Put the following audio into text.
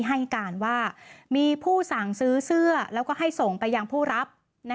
ให้การว่ามีผู้สั่งซื้อเสื้อแล้วก็ให้ส่งไปยังผู้รับ